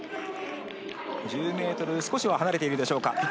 １０ｍ少し離れているでしょうか。